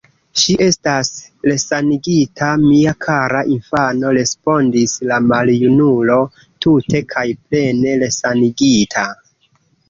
Ŝi estas resanigita, mia kara infano, respondis la maljunulo, tute kaj plene resanigita.